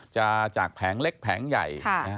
จากแผงเล็กแผงใหญ่